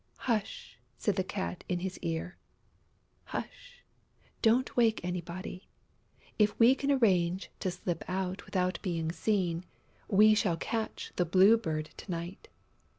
"Hush!" said the Cat in his ear. "Hush! Don't wake anybody. If we can arrange to slip out without being seen, we shall catch the Blue Bird to night.